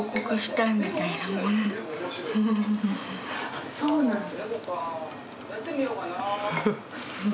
あっそうなんだ。